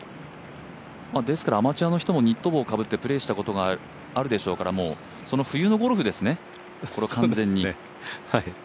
ですから、アマチュアの人もニット帽をかぶってプレーしたことがあるでしょうからその冬のゴルフですね、これは完全に。